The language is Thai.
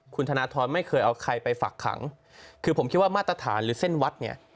คุณธนทรไม่เคยเอาใครไปฝักขังคือผมคิดว่ามาตรฐานหรือเส้นวัดเนี่ย